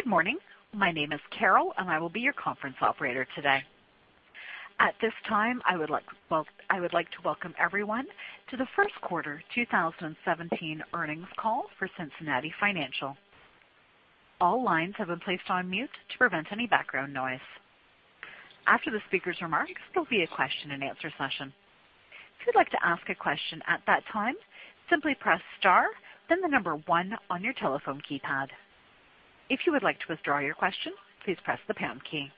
Good morning. My name is Carol, and I will be your conference operator today. At this time, I would like to welcome everyone to the first quarter 2017 earnings call for Cincinnati Financial. All lines have been placed on mute to prevent any background noise. After the speaker's remarks, there will be a question and answer session. If you would like to ask a question at that time, simply press star, then the number one on your telephone keypad. If you would like to withdraw your question, please press the pound key.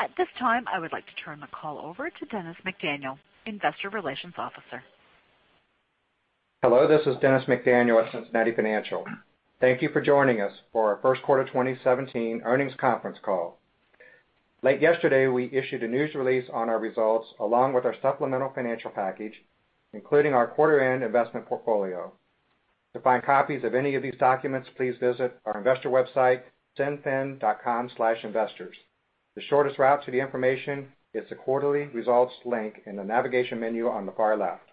At this time, I would like to turn the call over to Dennis McDaniel, investor relations officer. Hello, this is Dennis McDaniel with Cincinnati Financial. Thank you for joining us for our first quarter 2017 earnings conference call. Late yesterday, we issued a news release on our results, along with our supplemental financial package, including our quarter end investment portfolio. To find copies of any of these documents, please visit our investor website, cinfin.com/investors. The shortest route to the information is the quarterly results link in the navigation menu on the far left.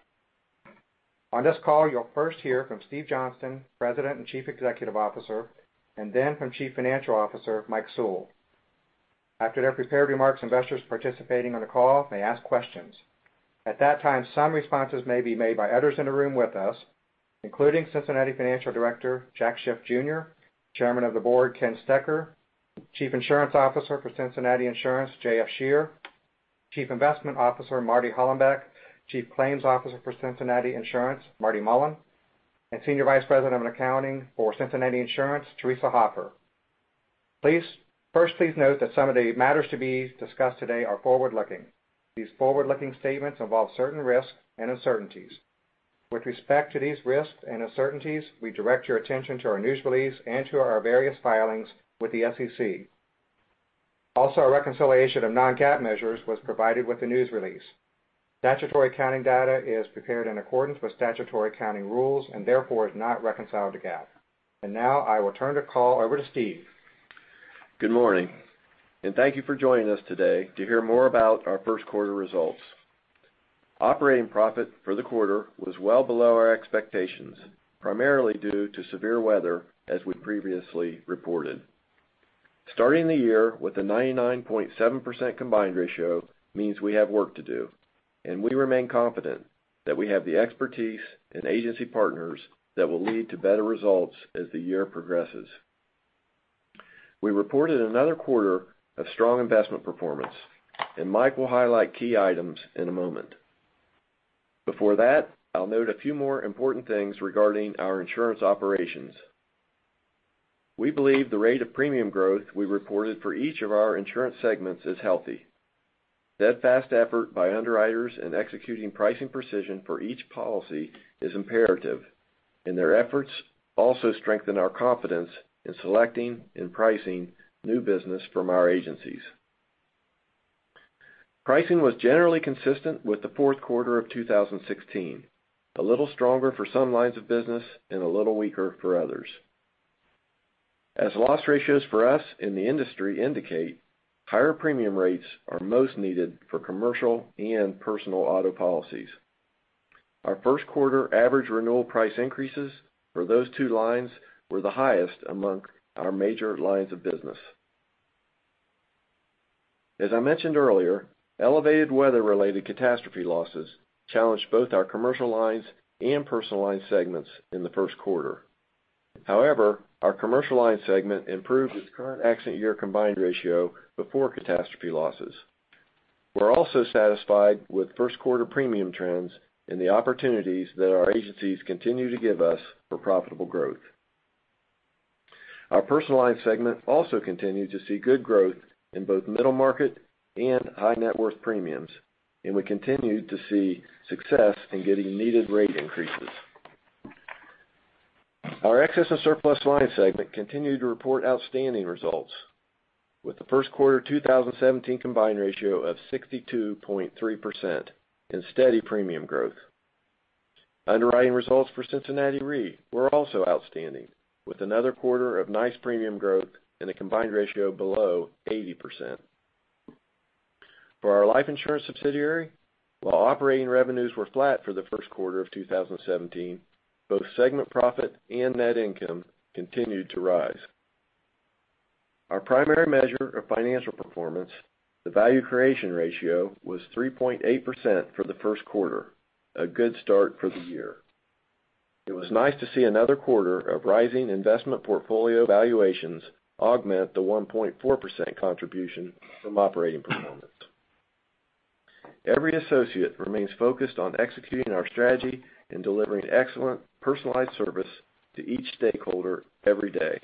On this call, you will first hear from Steve Johnston, President and Chief Executive Officer, and then from Chief Financial Officer, Mike Sewell. After their prepared remarks, investors participating on the call may ask questions. At that time, some responses may be made by others in the room with us, including Cincinnati Financial Director, Jack Schiff, Jr., Chairman of the Board, Ken Stecher, Chief Insurance Officer for The Cincinnati Insurance Company, J.F. Scherer, Chief Investment Officer, Martin Hollenbeck, Chief Claims Officer for Cincinnati Insurance, Martin Mullen, and Senior Vice President of Corporate Finance, Cincinnati Financial, Theresa Hoffer. First, please note that some of the matters to be discussed today are forward-looking. These forward-looking statements involve certain risks and uncertainties. With respect to these risks and uncertainties, we direct your attention to our news release and to our various filings with the SEC. Also, a reconciliation of non-GAAP measures was provided with the news release. Statutory accounting data is prepared in accordance with statutory accounting rules and therefore is not reconciled to GAAP. Now I will turn the call over to Steve. Good morning. Thank you for joining us today to hear more about our first quarter results. Operating profit for the quarter was well below our expectations, primarily due to severe weather, as we previously reported. Starting the year with a 99.7% combined ratio means we have work to do, and we remain confident that we have the expertise and agency partners that will lead to better results as the year progresses. We reported another quarter of strong investment performance, and Mike will highlight key items in a moment. Before that, I will note a few more important things regarding our insurance operations. We believe the rate of premium growth we reported for each of our insurance segments is healthy. That fast effort by underwriters in executing pricing precision for each policy is imperative, and their efforts also strengthen our confidence in selecting and pricing new business from our agencies. Pricing was generally consistent with the fourth quarter of 2016, a little stronger for some lines of business and a little weaker for others. As loss ratios for us in the industry indicate, higher premium rates are most needed for commercial and personal auto policies. Our first quarter average renewal price increases for those two lines were the highest among our major lines of business. As I mentioned earlier, elevated weather-related catastrophe losses challenged both our commercial lines and personal lines segments in the first quarter. However, our commercial line segment improved its current accident year combined ratio before catastrophe losses. We are also satisfied with first quarter premium trends and the opportunities that our agencies continue to give us for profitable growth. Our personal line segment also continued to see good growth in both middle market and high net worth premiums. We continued to see success in getting needed rate increases. Our Excess and Surplus line segment continued to report outstanding results, with the first quarter 2017 combined ratio of 62.3% and steady premium growth. Underwriting results for Cincinnati Re were also outstanding, with another quarter of nice premium growth and a combined ratio below 80%. For our life insurance subsidiary, while operating revenues were flat for the first quarter of 2017, both segment profit and net income continued to rise. Our primary measure of financial performance, the value creation ratio, was 3.8% for the first quarter, a good start for the year. It was nice to see another quarter of rising investment portfolio valuations augment the 1.4% contribution from operating performance. Every associate remains focused on executing our strategy and delivering excellent personalized service to each stakeholder every day.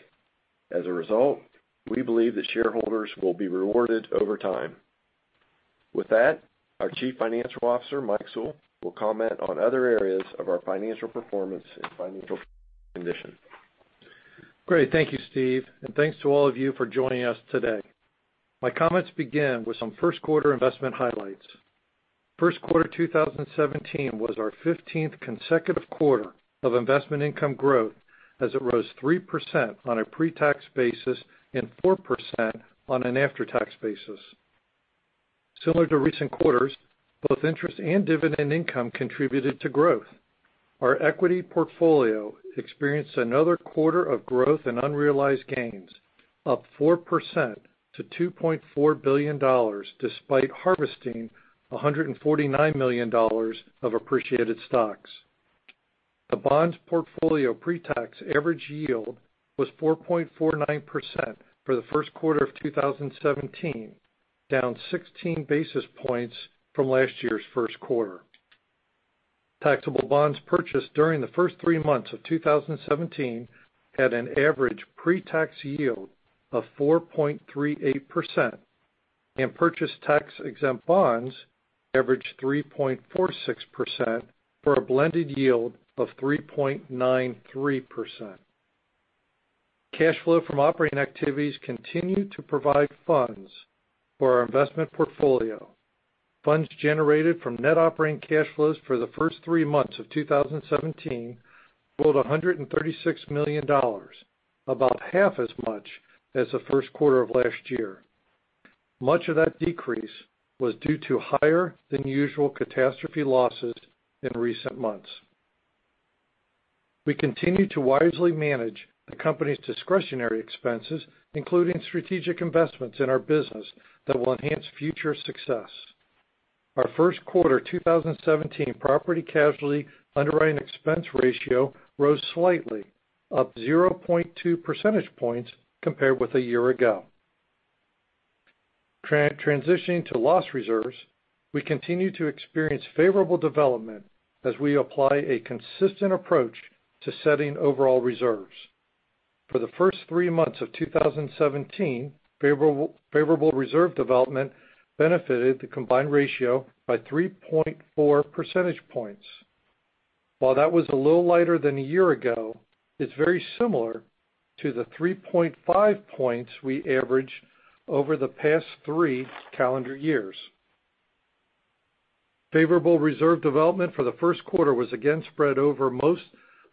As a result, we believe that shareholders will be rewarded over time. With that, our Chief Financial Officer, Michael J. Sewell, will comment on other areas of our financial performance and financial condition. Great. Thank you, Steve. Thanks to all of you for joining us today. My comments begin with some first quarter investment highlights. First quarter 2017 was our 15th consecutive quarter of investment income growth as it rose 3% on a pre-tax basis and 4% on an after-tax basis. Similar to recent quarters, both interest and dividend income contributed to growth. Our equity portfolio experienced another quarter of growth in unrealized gains, up 4% to $2.4 billion, despite harvesting $149 million of appreciated stocks. The bonds portfolio pretax average yield was 4.49% for the first quarter of 2017, down 16 basis points from last year's first quarter. Taxable bonds purchased during the first three months of 2017 had an average pretax yield of 4.38%, and purchase tax-exempt bonds averaged 3.46%, for a blended yield of 3.93%. Cash flow from operating activities continued to provide funds for our investment portfolio. Funds generated from net operating cash flows for the first three months of 2017 totaled $136 million, about half as much as the first quarter of last year. Much of that decrease was due to higher than usual catastrophe losses in recent months. We continue to wisely manage the company's discretionary expenses, including strategic investments in our business that will enhance future success. Our first quarter 2017 property casualty underwriting expense ratio rose slightly, up 0.2 percentage points compared with a year ago. Transitioning to loss reserves, we continue to experience favorable development as we apply a consistent approach to setting overall reserves. For the first three months of 2017, favorable reserve development benefited the combined ratio by 3.4 percentage points. While that was a little lighter than a year ago, it's very similar to the 3.5 points we averaged over the past three calendar years. Favorable reserve development for the first quarter was again spread over most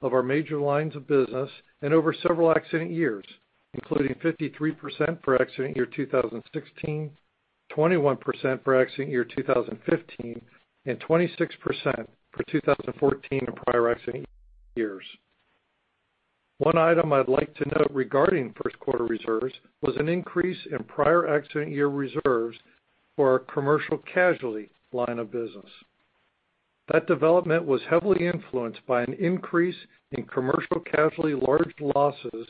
of our major lines of business and over several accident years, including 53% for accident year 2016, 21% for accident year 2015, and 26% for 2014 and prior accident years. One item I'd like to note regarding first quarter reserves was an increase in prior accident year reserves for our commercial casualty line of business. That development was heavily influenced by an increase in commercial casualty large losses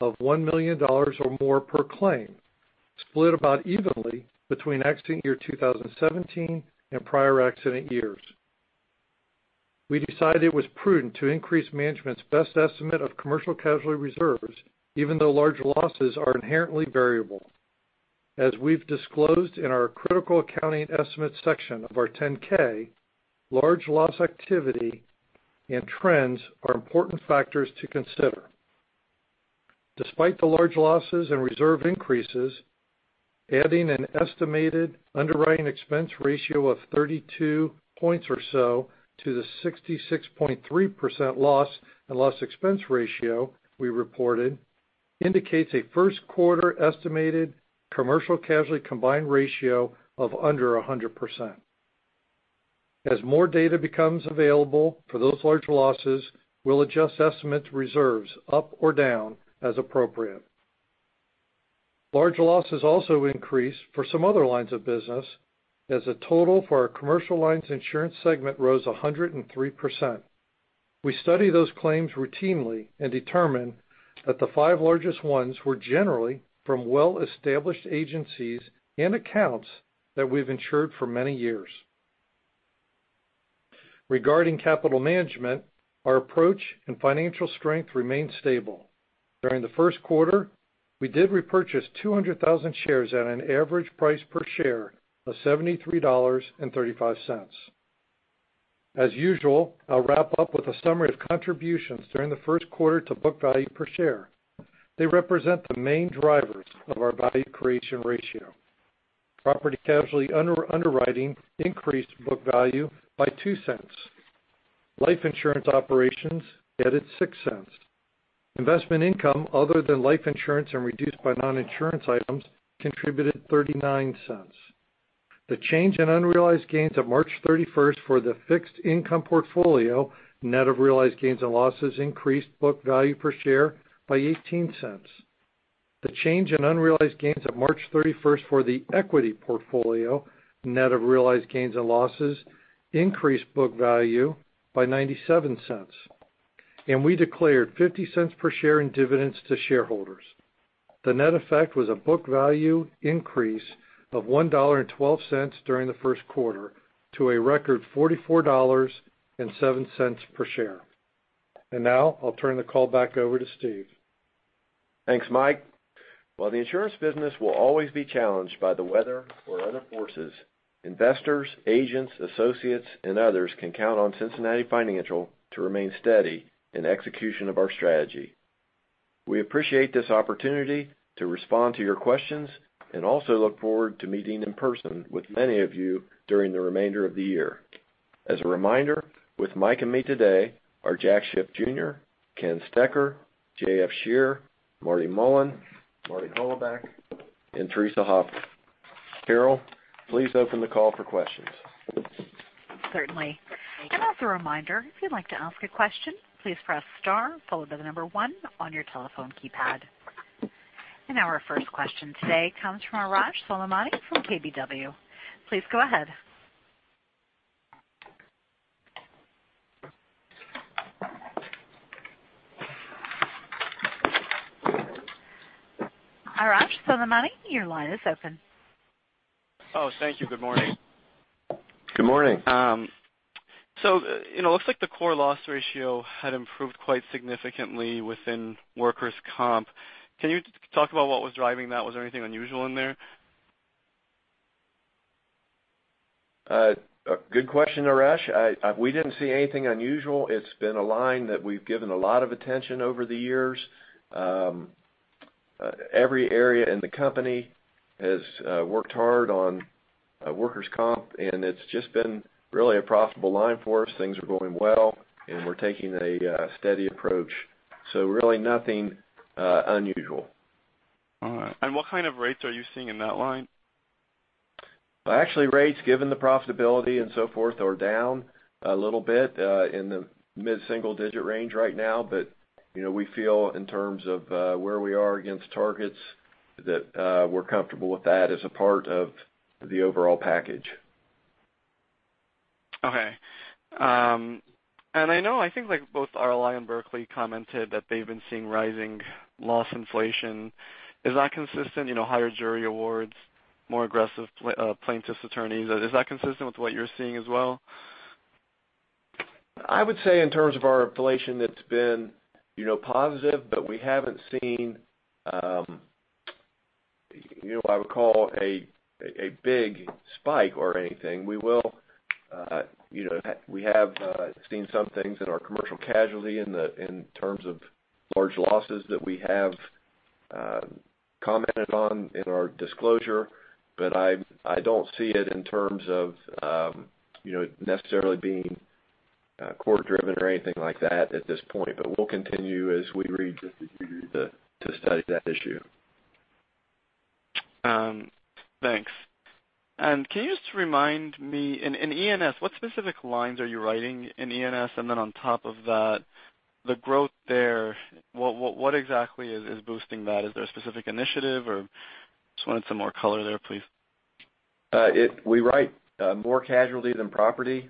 of $1 million or more per claim, split about evenly between accident year 2017 and prior accident years. We decided it was prudent to increase management's best estimate of commercial casualty reserves, even though large losses are inherently variable. As we've disclosed in our critical accounting estimates section of our 10-K, large loss activity and trends are important factors to consider. Despite the large losses and reserve increases, adding an estimated underwriting expense ratio of 32 points or so to the 66.3% loss and loss expense ratio we reported indicates a first quarter estimated commercial casualty combined ratio of under 100%. As more data becomes available for those large losses, we'll adjust estimate reserves up or down as appropriate. Large losses also increased for some other lines of business, as the total for our Commercial Lines Insurance segment rose 103%. We study those claims routinely and determine that the five largest ones were generally from well-established agencies and accounts that we've insured for many years. Regarding capital management, our approach and financial strength remain stable. During the first quarter, we did repurchase 200,000 shares at an average price per share of $73.35. As usual, I'll wrap up with a summary of contributions during the first quarter to book value per share. They represent the main drivers of our value creation ratio. Property casualty underwriting increased book value by $0.02. Life insurance operations added $0.06. Investment income other than life insurance and reduced by non-insurance items contributed $0.39. The change in unrealized gains of March 31st for the fixed income portfolio, net of realized gains and losses, increased book value per share by $0.18. The change in unrealized gains of March 31st for the equity portfolio, net of realized gains and losses, increased book value by $0.97. We declared $0.50 per share in dividends to shareholders. The net effect was a book value increase of $1.12 during the first quarter, to a record $44.07 per share. Now I'll turn the call back over to Steve. Thanks, Mike. While the insurance business will always be challenged by the weather or other forces, investors, agents, associates, and others can count on Cincinnati Financial to remain steady in execution of our strategy. We appreciate this opportunity to respond to your questions and also look forward to meeting in person with many of you during the remainder of the year. As a reminder, with Mike and me today are Jack Schiff Jr., Ken Stecher, J.F. Scherer, Martin Mullen, Martin Hollenbeck, and Theresa Hoffer. Carol, please open the call for questions. Certainly. As a reminder, if you'd like to ask a question, please press star followed by the number 1 on your telephone keypad. Now our first question today comes from Arash Soleimani from KBW. Please go ahead. Arash Soleimani, your line is open. Thank you. Good morning. Good morning. It looks like the core loss ratio had improved quite significantly within workers' comp. Can you talk about what was driving that? Was there anything unusual in there? A good question, Arash. We didn't see anything unusual. It's been a line that we've given a lot of attention over the years. Every area in the company has worked hard on workers' comp, and it's just been really a profitable line for us. Things are going well, and we're taking a steady approach, really nothing unusual. All right. What kind of rates are you seeing in that line? Well, actually, rates, given the profitability and so forth, are down a little bit, in the mid-single digit range right now. We feel in terms of where we are against targets, that we're comfortable with that as a part of the overall package. Okay. I know, I think both RLI and Berkley commented that they've been seeing rising loss inflation. Is that consistent, higher jury awards, more aggressive plaintiffs' attorneys? Is that consistent with what you're seeing as well? I would say in terms of our inflation, it's been positive, but we haven't seen what I would call a big spike or anything. We have seen some things in our commercial casualty in terms of large losses that we have commented on in our disclosure. I don't see it in terms of it necessarily being quarter-driven or anything like that at this point. We'll continue as we read just to study that issue. Thanks. Can you just remind me, in E&S, what specific lines are you writing in E&S? Then on top of that, the growth there, what exactly is boosting that? Is there a specific initiative, or just wanted some more color there, please. We write more casualty than property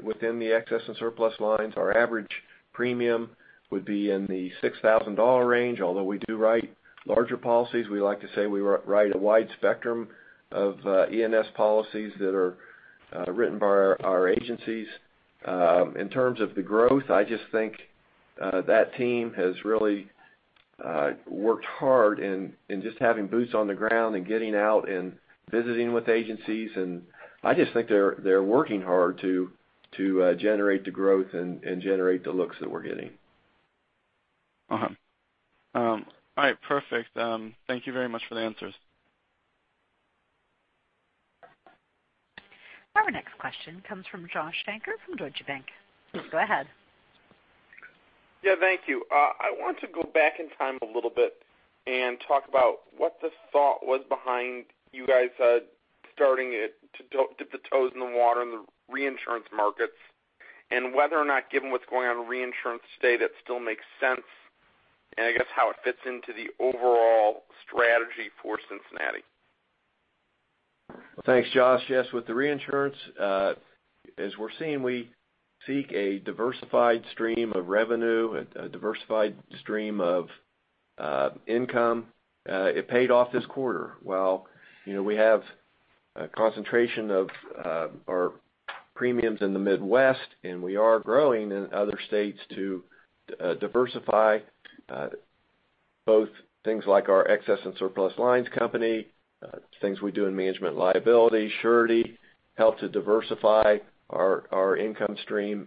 within the excess and surplus lines. Our average premium would be in the $6,000 range. Although we do write larger policies, we like to say we write a wide spectrum of E&S policies that are written by our agencies. In terms of the growth, I just think that team has really worked hard in just having boots on the ground and getting out and visiting with agencies. I just think they're working hard to generate the growth and generate the looks that we're getting. All right, perfect. Thank you very much for the answers. Our next question comes from Joshua Shanker from Deutsche Bank. Go ahead. Thank you. I want to go back in time a little bit and talk about what the thought was behind you guys starting to dip the toes in the water in the reinsurance markets and whether or not, given what's going on in reinsurance today, that still makes sense, and I guess how it fits into the overall strategy for Cincinnati. Thanks, Josh. With the reinsurance, as we're seeing, we seek a diversified stream of revenue, a diversified stream of income. It paid off this quarter. While we have a concentration of our premiums in the Midwest, we are growing in other states to diversify both things like our excess and surplus lines company, things we do in management liability, surety help to diversify our income stream.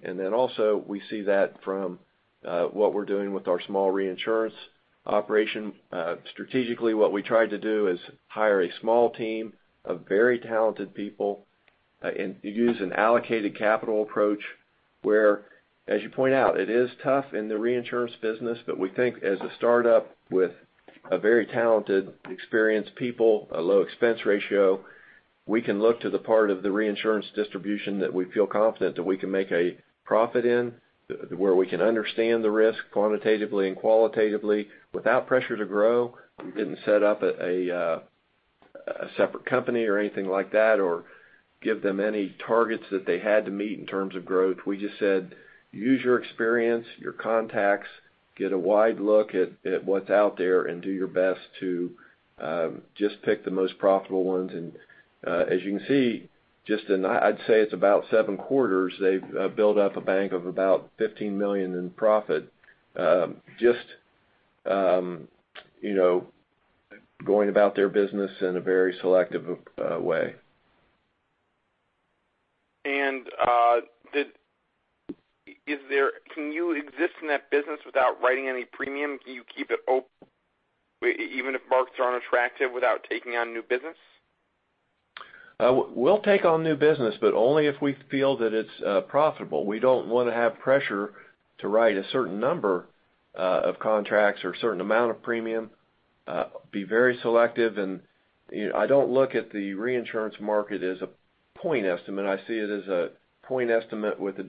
We see that from what we're doing with our small reinsurance operation. Strategically, what we tried to do is hire a small team of very talented people and use an allocated capital approach where, as you point out, it is tough in the reinsurance business, but we think as a startup with a very talented, experienced people, a low expense ratio, we can look to the part of the reinsurance distribution that we feel confident that we can make a profit in, where we can understand the risk quantitatively and qualitatively without pressure to grow. We didn't set up a separate company or anything like that or give them any targets that they had to meet in terms of growth. We just said, use your experience, your contacts, get a wide look at what's out there, and do your best to just pick the most profitable ones. As you can see, just in, I'd say it's about seven quarters, they've built up a bank of about $15 million in profit, just going about their business in a very selective way. Can you exist in that business without writing any premium? Can you keep it open even if markets aren't attractive without taking on new business? We'll take on new business, only if we feel that it's profitable. We don't want to have pressure to write a certain number of contracts or a certain amount of premium. Be very selective and I don't look at the reinsurance market as a point estimate. I see it as a point estimate with a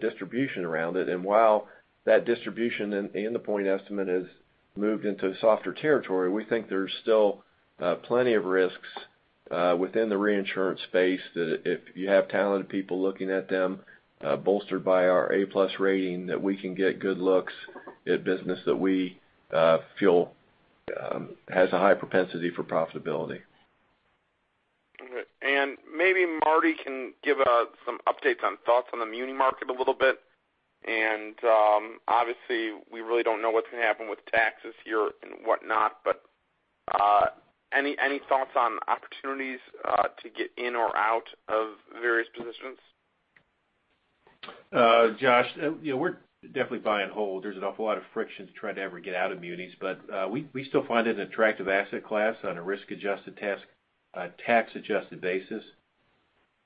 distribution around it. While that distribution in the point estimate has moved into softer territory, we think there's still plenty of risks within the reinsurance space that if you have talented people looking at them, bolstered by our A+ rating, that we can get good looks at business that we feel has a high propensity for profitability. Maybe Marty can give us some updates on thoughts on the muni market a little bit. Obviously, we really don't know what's going to happen with taxes here and whatnot, but any thoughts on opportunities to get in or out of various positions? Josh, we're definitely buy and hold. There's an awful lot of friction to try to ever get out of munis, but we still find it an attractive asset class on a risk-adjusted tax-adjusted basis.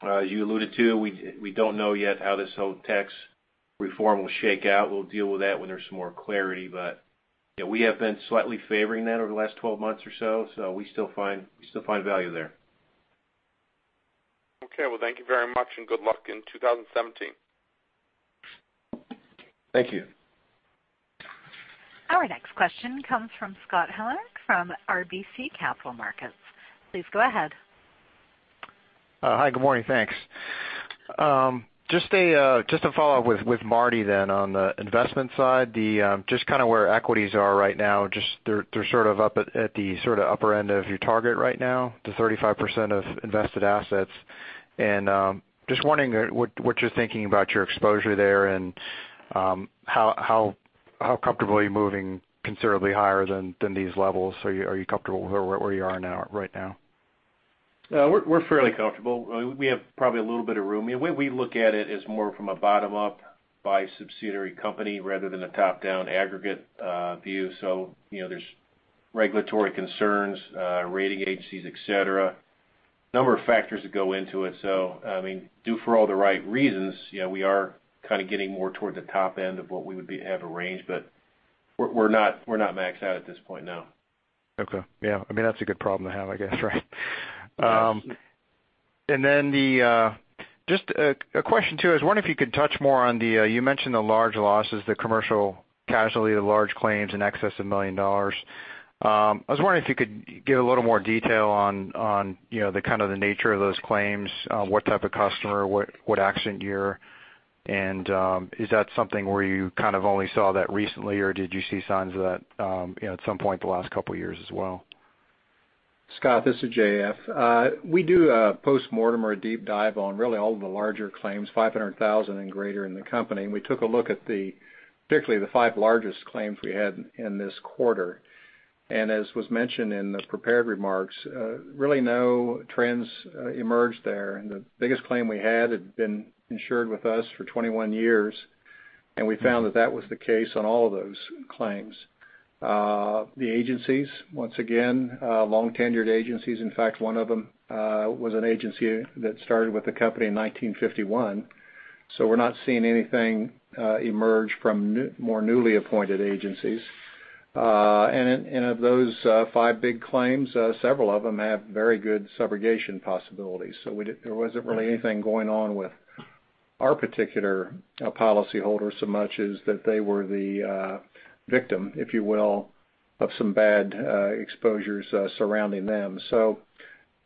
You alluded to, we don't know yet how this whole tax reform will shake out. We'll deal with that when there's more clarity. We have been slightly favoring that over the last 12 months or so. We still find value there. Okay. Well, thank you very much, and good luck in 2017. Thank you. Our next question comes from Scott Heleniak from RBC Capital Markets. Please go ahead. Hi, good morning. Thanks. Just to follow up with Marty then on the investment side, just kind of where equities are right now, they're sort of up at the sort of upper end of your target right now to 35% of invested assets. Just wondering what you're thinking about your exposure there and how comfortable are you moving considerably higher than these levels? Are you comfortable with where you are right now? We're fairly comfortable. We have probably a little bit of room. The way we look at it is more from a bottom up by subsidiary company rather than a top-down aggregate view. There's regulatory concerns, rating agencies, et cetera. Number of factors that go into it. I mean, due for all the right reasons, we are kind of getting more toward the top end of what we would have a range, but we're not maxed out at this point now. Okay. Yeah. I mean, that's a good problem to have, I guess, right? Yes. Just a question, too. I was wondering if you could touch more on the, you mentioned the large losses, the commercial casualty, the large claims in excess of $1 million. I was wondering if you could give a little more detail on kind of the nature of those claims, what type of customer, what accident year, and is that something where you kind of only saw that recently, or did you see signs of that at some point the last couple of years as well? Scott, this is J.F. We do a postmortem or a deep dive on really all of the larger claims, 500,000 and greater in the company. We took a look at particularly the five largest claims we had in this quarter. As was mentioned in the prepared remarks, really no trends emerged there. The biggest claim we had had been insured with us for 21 years, and we found that that was the case on all of those claims. The agencies, once again, long-tenured agencies. In fact, one of them was an agency that started with the company in 1951, so we're not seeing anything emerge from more newly appointed agencies. Of those five big claims, several of them have very good subrogation possibilities. There wasn't really anything going on with our particular policyholder so much as that they were the victim, if you will, of some bad exposures surrounding them.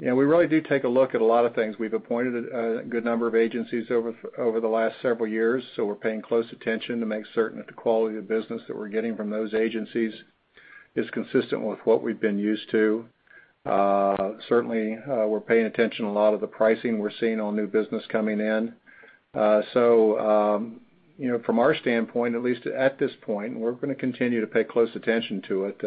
We really do take a look at a lot of things. We've appointed a good number of agencies over the last several years, we're paying close attention to make certain that the quality of business that we're getting from those agencies is consistent with what we've been used to. Certainly, we're paying attention to a lot of the pricing we're seeing on new business coming in. From our standpoint, at least at this point, we're going to continue to pay close attention to it.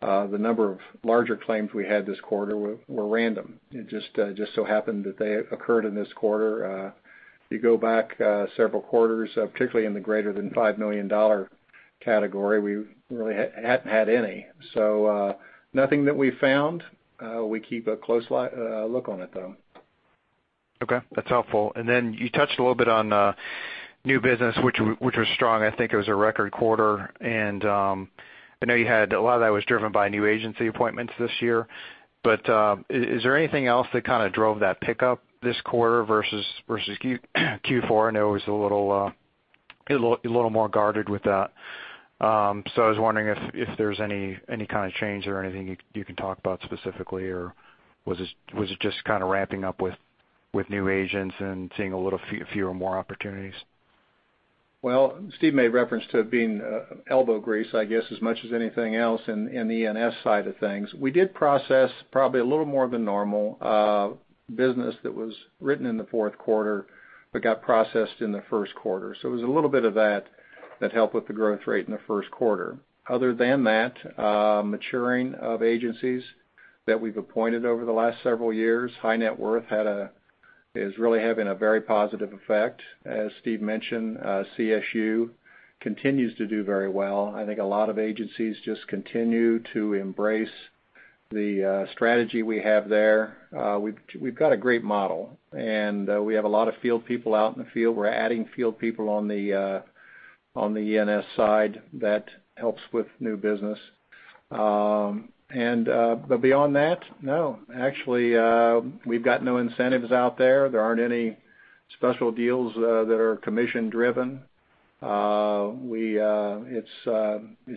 The number of larger claims we had this quarter were random. It just so happened that they occurred in this quarter. You go back several quarters, particularly in the greater than $5 million category, we really hadn't had any. Nothing that we've found. We keep a close look on it, though. Okay. That's helpful. You touched a little bit on new business, which was strong. I think it was a record quarter. I know you had a lot of that was driven by new agency appointments this year. Is there anything else that kind of drove that pickup this quarter versus Q4? I know it was a little more guarded with that. I was wondering if there's any kind of change there or anything you can talk about specifically, or was it just kind of ramping up with new agents and seeing a little fewer, more opportunities? Steve made reference to it being elbow grease, I guess, as much as anything else in the E&S side of things. We did process probably a little more of the normal business that was written in the fourth quarter, but got processed in the first quarter. It was a little bit of that helped with the growth rate in the first quarter. Other than that, maturing of agencies that we've appointed over the last several years. High net worth is really having a very positive effect. As Steve mentioned, CSU continues to do very well. I think a lot of agencies just continue to embrace the strategy we have there. We've got a great model, and we have a lot of field people out in the field. We're adding field people on the E&S side that helps with new business. Beyond that, no. We've got no incentives out there. There aren't any special deals that are commission driven. It's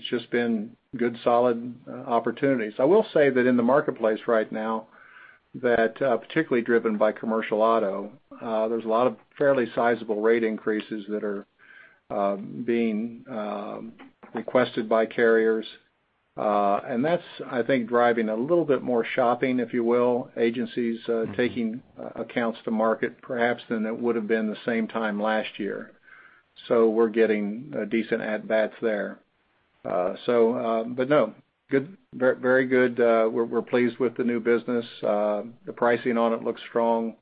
just been good, solid opportunities. I will say that in the marketplace right now, particularly driven by commercial auto, there's a lot of fairly sizable rate increases that are being requested by carriers. That's, I think, driving a little bit more shopping, if you will. Agencies taking accounts to market perhaps than it would've been the same time last year. We're getting decent at-bats there. No, very good. We're pleased with the new business. The pricing on it looks strong.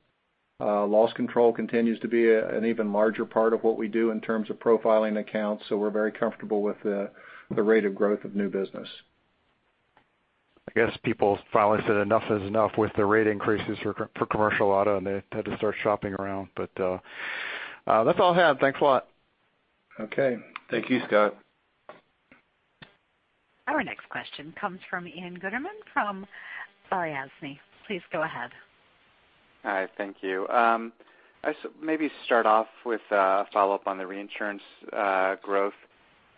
Loss control continues to be an even larger part of what we do in terms of profiling accounts. We're very comfortable with the rate of growth of new business. I guess people finally said enough is enough with the rate increases for commercial auto, and they had to start shopping around. That's all I have. Thanks a lot. Okay. Thank you, Scott. Our next question comes from Ian Gutterman from Balyasny. Please go ahead. Hi. Thank you. I maybe start off with a follow-up on the reinsurance growth.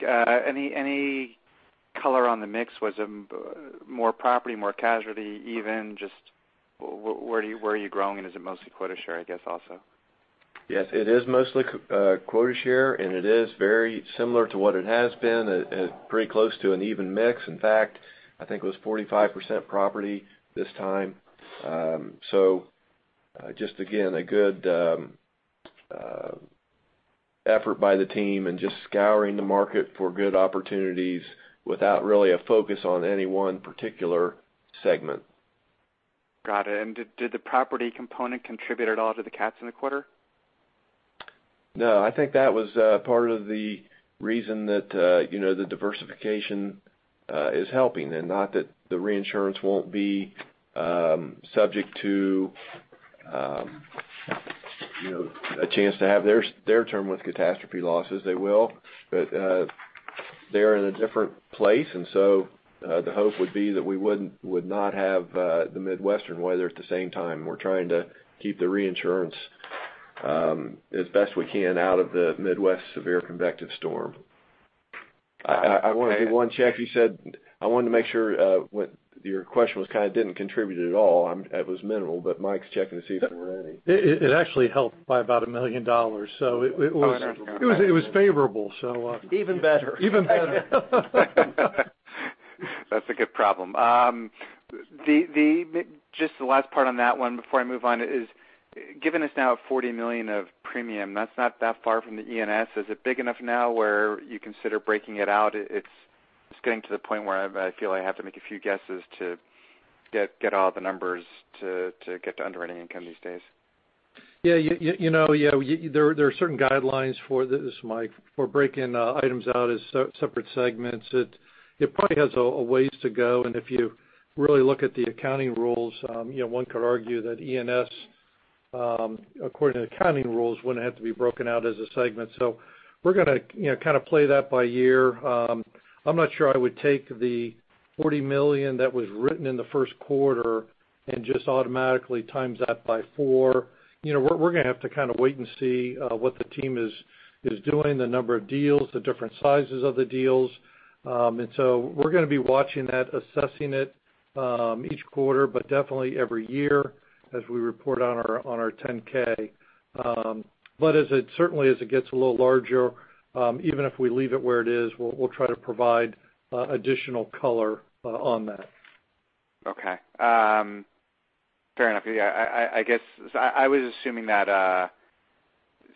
Any color on the mix? Was it more property, more casualty, even just where are you growing, and is it mostly quota share I guess also? Yes, it is mostly quota share, and it is very similar to what it has been, pretty close to an even mix. In fact, I think it was 45% property this time. Just again, a good effort by the team and just scouring the market for good opportunities without really a focus on any one particular segment. Got it. Did the property component contribute at all to the cats in the quarter? No, I think that was part of the reason that the diversification is helping. Not that the reinsurance won't be subject to a chance to have their term with catastrophe losses. They will. They're in a different place, so the hope would be that we would not have the Midwestern weather at the same time. We're trying to keep the reinsurance as best we can out of the Midwest severe convective storm. I want to do one check. I wanted to make sure what your question was kind of didn't contribute at all. It was minimal, but Mike's checking to see if there were any. It actually helped by about $1 million. It was. Oh, I understand. it was favorable. Even better. Even better. That's a good problem. Just the last part on that one before I move on is, given it's now at $40 million of premium, that's not that far from the E&S. Is it big enough now where you consider breaking it out? It's getting to the point where I feel I have to make a few guesses to get all the numbers to get to underwriting income these days. Yeah. There are certain guidelines for this, Mike, for breaking items out as separate segments. It probably has a ways to go, and if you really look at the accounting rules, one could argue that E&S according to accounting rules, wouldn't have to be broken out as a segment. We're going to kind of play that by year. I'm not sure I would take the $40 million that was written in the first quarter and just automatically times that by four. We're going to have to kind of wait and see what the team is doing, the number of deals, the different sizes of the deals. We're going to be watching that, assessing it each quarter, but definitely every year as we report on our 10-K. As it certainly gets a little larger, even if we leave it where it is, we'll try to provide additional color on that. Okay. Fair enough. I was assuming that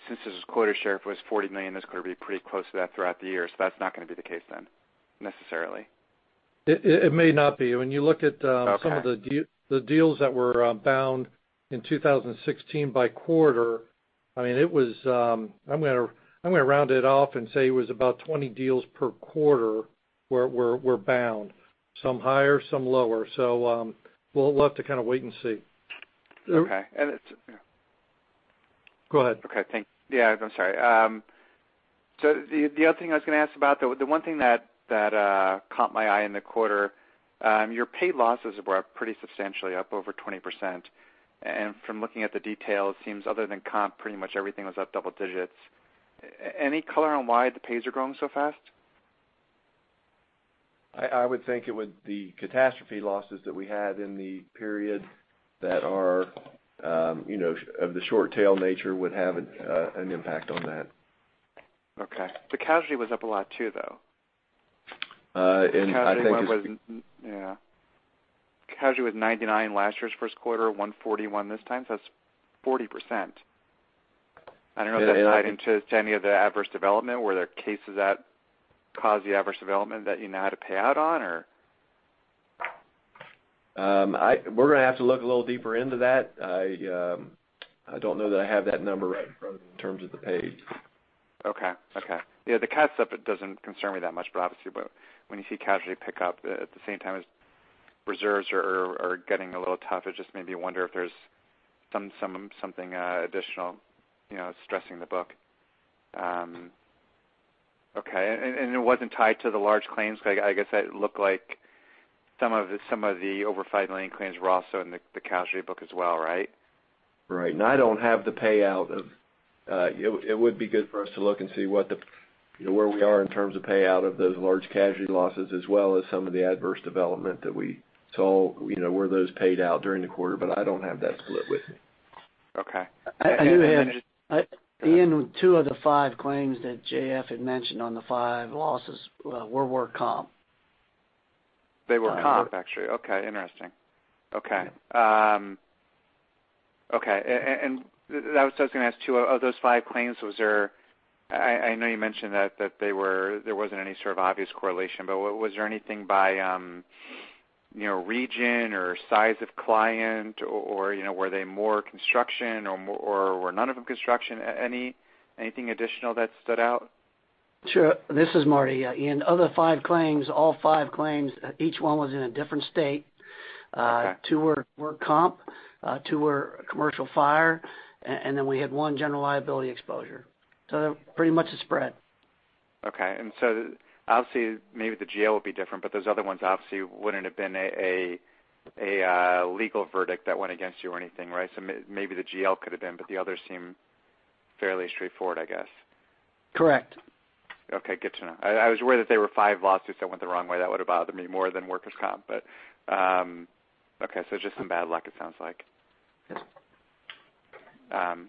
since this quota share was $40 million, it's going to be pretty close to that throughout the year. That's not going to be the case then necessarily. It may not be. When you look at- Okay some of the deals that were bound in 2016 by quarter, I mean, I'm going to round it off and say it was about 20 deals per quarter were bound. Some higher, some lower. We'll have to kind of wait and see. Okay. Go ahead. Okay. Thanks. Yeah. I'm sorry. The other thing I was going to ask about though, the one thing that caught my eye in the quarter, your paid losses were up pretty substantially, up over 20%. From looking at the details, seems other than comp, pretty much everything was up double digits. Any color on why the pays are growing so fast? I would think the catastrophe losses that we had in the period that are of the short tail nature would have an impact on that. Okay. Casualty was up a lot too, though. I think. Casualty was. Yeah. Casualty was $99 last year's first quarter, $141 this time. That's 40%. I don't know if that tied into any of the adverse development. Were there cases that caused the adverse development that you know how to pay out on? We're going to have to look a little deeper into that. I don't know that I have that number right in terms of the pays. Okay. Yeah, the cas setup doesn't concern me that much. Obviously, when you see casualty pick up at the same time as reserves are getting a little tough, it just made me wonder if there's something additional stressing the book. Okay. It wasn't tied to the large claims, because I guess that looked like some of the over five million claims were also in the casualty book as well, right? Right. It would be good for us to look and see where we are in terms of payout of those large casualty losses, as well as some of the adverse development that we saw, were those paid out during the quarter. I don't have that split with me. Okay. I do have. Ian, two of the five claims that J.F. had mentioned on the five losses were work comp. They were comp? Okay. Interesting. Okay. I was just going to ask, two of those five claims, I know you mentioned that there wasn't any sort of obvious correlation, but was there anything by region or size of client, or were they more construction or were none of them construction? Anything additional that stood out? Sure. This is Marty. Yeah, Ian, of the five claims, all five claims, each one was in a different state. Okay. Two were work comp, two were commercial fire. We had one general liability exposure. Pretty much a spread. Okay. Obviously, maybe the GL will be different, those other ones obviously wouldn't have been a legal verdict that went against you or anything, right? Maybe the GL could have been, but the others seem fairly straightforward, I guess. Correct. Okay. Good to know. I was worried that they were 5 lawsuits that went the wrong way. That would have bothered me more than workers' comp. Okay. Just some bad luck it sounds like. Yes.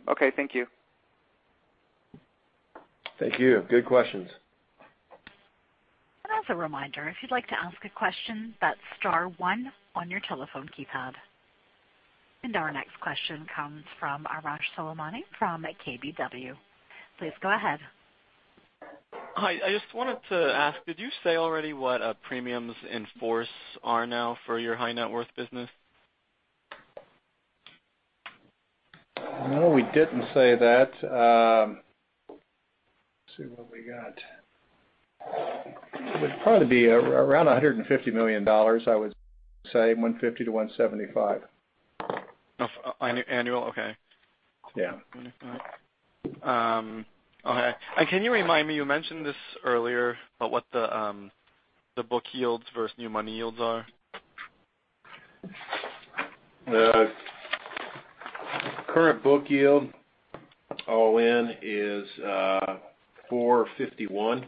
Okay. Thank you. Thank you. Good questions. As a reminder, if you'd like to ask a question, that's star 1 on your telephone keypad. Our next question comes from Arash Soleimani from KBW. Please go ahead. Hi. I just wanted to ask, did you say already what premiums in force are now for your high net worth business? No, we didn't say that. Let's see what we got. It would probably be around $150 million, I would say, $150 million-$175 million. Annual? Okay. Yeah. Okay. Can you remind me, you mentioned this earlier, but what the book yields versus new money yields are? The current book yield all in is 451.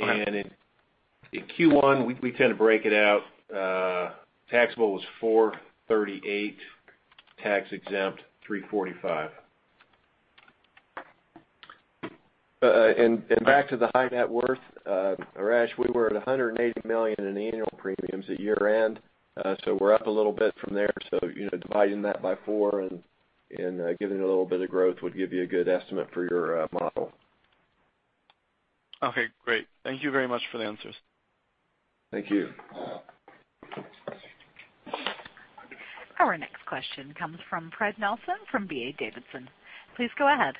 Okay. In Q1, we tend to break it out, taxable was 438, tax exempt 345. Back to the high net worth, Arash, we were at $180 million in annual premiums at year end. We're up a little bit from there. Dividing that by four and giving it a little bit of growth would give you a good estimate for your model. Okay, great. Thank you very much for the answers. Thank you. Our next question comes from Jay Nelson from D.A. Davidson. Please go ahead.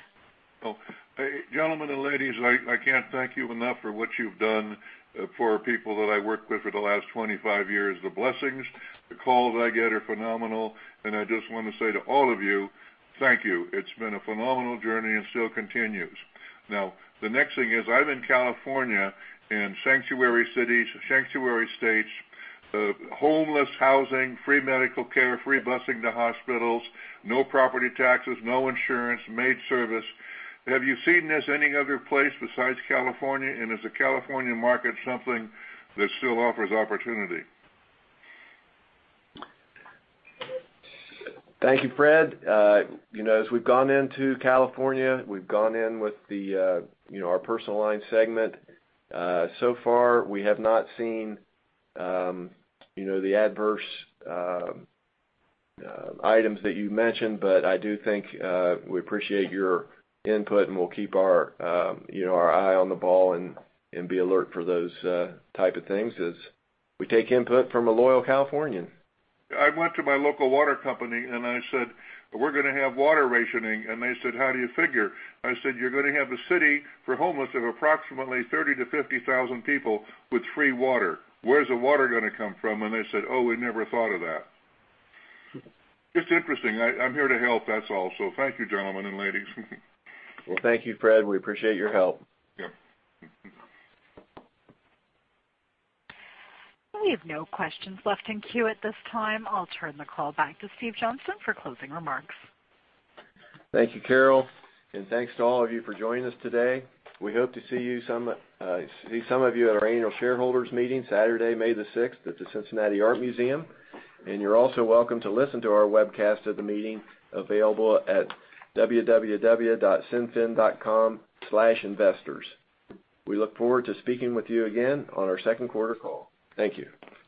Gentlemen and ladies, I can't thank you enough for what you've done for people that I worked with for the last 25 years. The blessings, the calls I get are phenomenal. I just want to say to all of you, thank you. It's been a phenomenal journey and still continues. The next thing is, I'm in California, in sanctuary cities, sanctuary states, homeless housing, free medical care, free busing to hospitals, no property taxes, no insurance, maid service. Have you seen this any other place besides California? Is the California market something that still offers opportunity? Thank you, Jay. As we've gone into California, we've gone in with our personal line segment. So far we have not seen the adverse items that you mentioned. I do think we appreciate your input and we'll keep our eye on the ball and be alert for those type of things as we take input from a loyal Californian. I went to my local water company. I said, "We're going to have water rationing." They said, "How do you figure?" I said, "You're going to have a city for homeless of approximately 30,000 to 50,000 people with free water. Where's the water going to come from?" They said, "We never thought of that." Just interesting. I'm here to help, that's all. Thank you, gentlemen and ladies. Well, thank you, Jay. We appreciate your help. Yeah. We have no questions left in queue at this time. I'll turn the call back to Steven Johnston for closing remarks. Thank you, Carol, and thanks to all of you for joining us today. We hope to see some of you at our annual shareholders meeting, Saturday, May the 6th, at the Cincinnati Art Museum. You're also welcome to listen to our webcast of the meeting available at www.cinfin.com/investors. We look forward to speaking with you again on our second quarter call. Thank you.